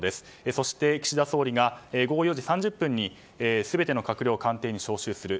そして岸田総理が午後４時３０分に全ての閣僚を官邸に招集する。